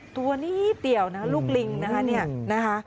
ตัวนี้เปี่ยวนะลูกลิงนะคะเนี่ยนะคะ